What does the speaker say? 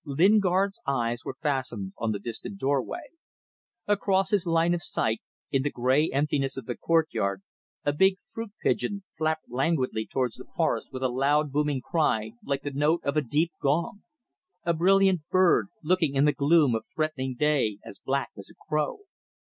Lingard's eyes were fastened on the distant doorway. Across his line of sight, in the grey emptiness of the courtyard, a big fruit pigeon flapped languidly towards the forests with a loud booming cry, like the note of a deep gong: a brilliant bird looking in the gloom of threatening day as black as a crow.